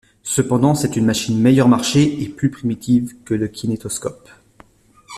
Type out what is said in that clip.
Cependant, c'est une machine meilleur marché et plus primitive que le Kinétoscope.